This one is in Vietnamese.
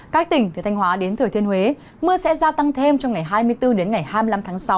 các tỉnh từ thanh hóa đến thừa thiên huế mưa sẽ gia tăng thêm trong ngày hai mươi bốn đến ngày hai mươi năm tháng sáu